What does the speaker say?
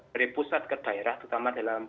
dari pusat ke daerah terutama dalam